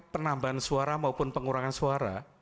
penambahan suara maupun pengurangan suara